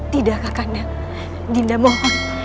tidak kak kandai dinda mohon